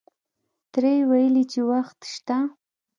تره یې ویلې چې وخت شته.